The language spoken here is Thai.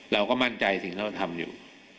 เราก็มั่นใจสิ่งที่เราทำอยู่